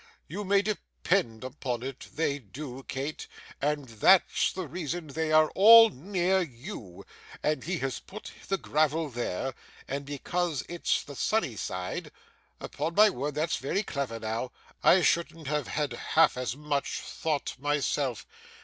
You may depend upon it they do, Kate, and that's the reason they are all near you, and he has put the gravel there, because it's the sunny side. Upon my word, that's very clever now! I shouldn't have had half as much thought myself!